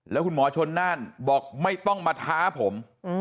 แล้วคุณหมอชนน่านบอกไม่ต้องมาท้าผม